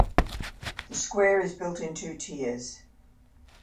The square is built in two tiers.